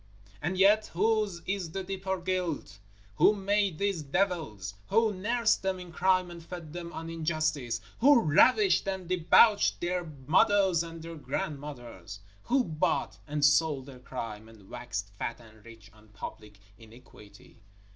_ And yet whose is the deeper guilt? Who made these devils? Who nursed them in crime and fed them on injustice? Who ravished and debauched their mothers and their grandmothers? Who bought and sold their crime, and waxed fat and rich on public iniquity?